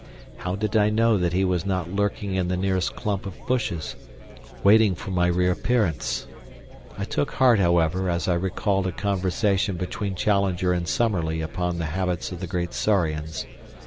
How did I know that he was not lurking in the nearest clump of bushes, waiting for my reappearance? I took heart, however, as I recalled a conversation between Challenger and Summerlee upon the habits of the great saurians.